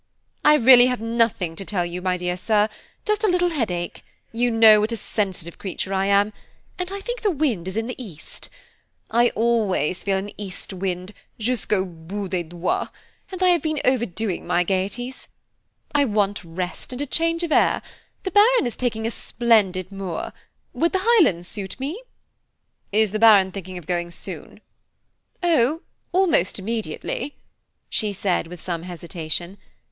"I really have nothing to tell you, my dear Sir, just a little headache–you know what a sensitive creature I am, and I think the wind is in the East. I always feel an East wind jusqu' au bout des doigts, and I have been overdoing my gaieties. I want rest, and change of air. The Baron is taking a splendid moor. Would the Highlands suit me?" "Is the Baron thinking of going soon?" "Oh, almost immediately," she said with some hesitation.